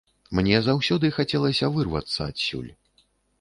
Мне заўсёды хацелася вырвацца адсюль.